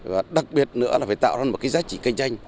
và đặc biệt nữa là phải tạo ra một cái giá trị cạnh tranh